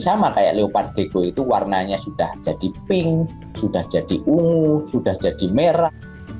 sama kayak leopard gego itu warnanya sudah jadi pink sudah jadi ungu sudah jadi merah